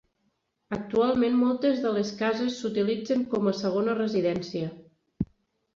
Actualment moltes de les cases s'utilitzen com a segona residència.